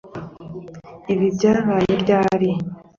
ibi byabaye ryari